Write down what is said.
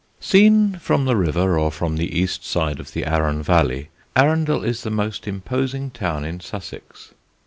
Seen from the river or from the east side of the Arun valley, Arundel is the most imposing town in Sussex.